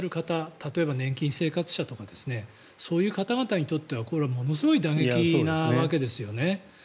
例えば年金生活者とかそういう方々にとってはこれはものすごい打撃なわけですよね。